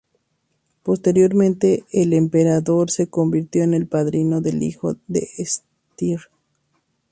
Posteriormente el emperador se convirtió en el padrino del hijo de Steer.